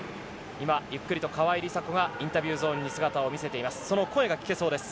今ゆっくりと川井梨紗子がインタビューゾーンに姿を見せています。